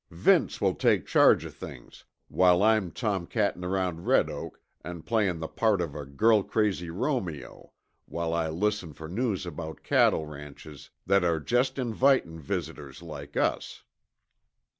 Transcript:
Vince will take charge of things while I'm tomcattin' around Red Oak an' playin' the part of a girl crazy Romeo while I listen for news about cattle ranches that are just invitin' visitors like us."